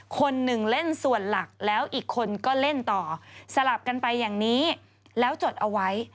คนหนึ่งเล่นส่วนหลักแล้วอีกคนก็เล่นต่อสลับกันไปอย่างนี้แล้วจดเอาไว้